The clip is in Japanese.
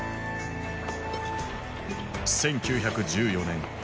１９１４年。